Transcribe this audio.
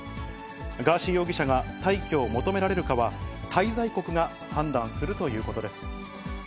ガーシー容疑者が退去を求められるかは、滞在国が判断するということです。